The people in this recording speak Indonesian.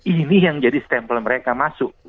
ini yang jadi stempel mereka masuk